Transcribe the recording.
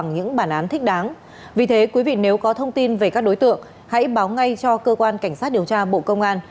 nếu có thông tin về các đối tượng hãy báo ngay cho cơ quan cảnh sát điều tra bộ công an